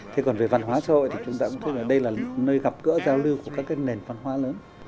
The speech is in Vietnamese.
thế còn về văn hóa xã hội thì chúng ta cũng thấy là đây là nơi gặp gỡ giao lưu của các cái nền văn hóa lớn